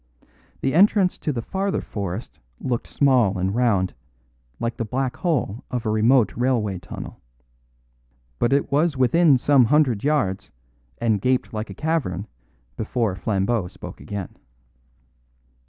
The entrance to the farther forest looked small and round, like the black hole of a remote railway tunnel. But it was within some hundred yards, and gaped like a cavern before Flambeau spoke again.